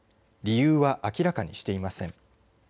理由は明らかにしていません。